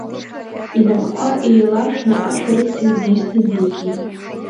Инапқәа еиларшәны, ашәарыцаҩ дисны дикит.